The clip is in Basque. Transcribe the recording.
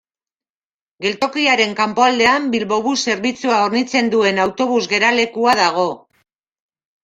Geltokiaren kanpoaldean Bilbobus zerbitzua hornitzen duen autobus geralekua dago.